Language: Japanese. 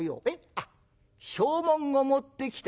あっ証文を持ってきた？